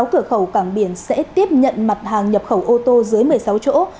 sáu cửa khẩu cảng biển sẽ tiếp nhận mặt hàng nhập khẩu ô tô dưới một mươi sáu chỗ